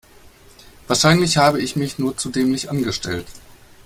Wahrscheinlich habe ich mich nur zu dämlich angestellt.